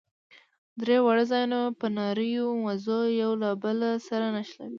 درې واړه ځايونه په نريو مزو له يو بل سره نښلوو.